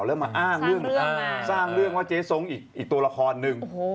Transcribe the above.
แล้วมาอ้างเรื่องว่าเจ๊สงค์อีกตัวละครนึง